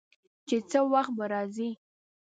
چې څه وخت به راځي.